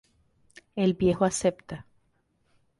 El viejo acepta.